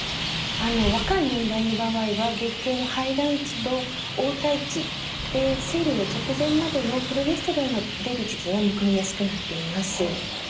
若い年代の場合は月経の排卵期と黄体期で生理の直前までのプロゲステロンが出る時期がむくみやすくなっています。